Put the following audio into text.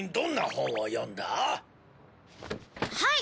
はい！